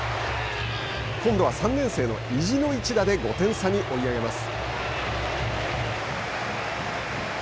今度は３年生の意地の一打で５点差に追い上げます。